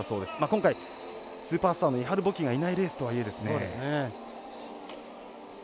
今回スーパースターのイハル・ボキがいないレースとはいえですね。